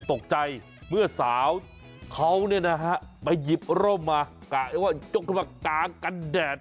ตกใจเมื่อสาวเขาเนี่ยนะฮะไปหยิบร่มมากะเรียกว่าจกลมกะกันแดด